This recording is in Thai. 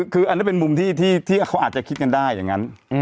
คืออันนี้เป็นมุมที่เขาอาจจะคิดกันได้อย่างนั้น